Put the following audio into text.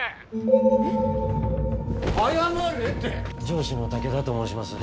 上司の武田と申します。